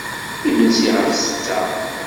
Imensi ɣef ssetta.